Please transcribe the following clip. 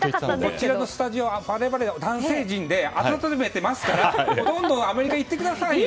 こちらのスタジオは我々男性陣で温めてますからどんどんアメリカに行ってくださいよ。